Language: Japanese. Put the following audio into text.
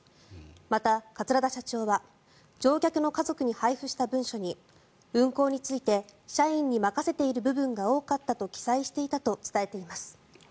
また、桂田社長は乗客の家族に配布した文書に運航について社員に任せている部分が多かったと記載していたと伝えています。